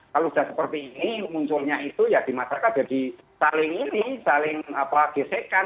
kalau sudah seperti ini munculnya itu ya di masyarakat jadi saling ini saling gesekan